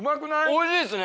おいしいですね。